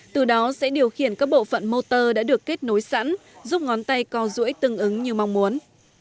từ đó sẽ điều khiển các bộ phận motor đã được kết nối sẵn giúp ngón tay co rũi tương ứng như mong muốn